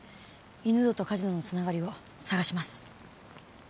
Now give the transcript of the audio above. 犬堂とカジノのつながりを探します。